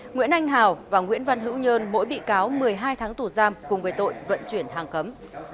nguyễn anh hào và nguyễn văn hữu nhơn mỗi bị cáo một mươi hai tháng tù giam cùng với tội vận chuyển hàng cấm